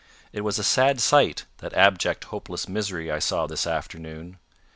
It was a sad sight that abject hopeless misery I saw this afternoon.